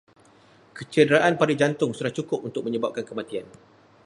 Kecederaan pada jantung sudah cukup untuk menyebabkan kematian